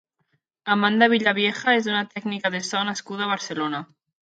Amanda Villavieja és una tècnica de so nascuda a Barcelona.